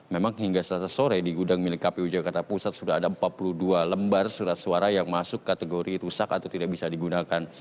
memang hingga selasa sore di gudang milik kpu jakarta pusat sudah ada empat puluh dua lembar surat suara yang masuk kategori rusak atau tidak bisa digunakan